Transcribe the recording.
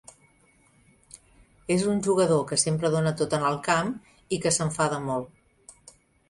És un jugador que sempre dóna tot en el camp, i que s'enfada molt.